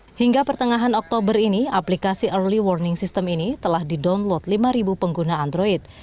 pada pertengahan oktober ini aplikasi early warning system ini telah didownload lima pengguna android